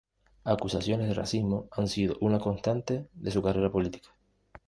Acusaciones de racismo han sido una constante de su carrera política.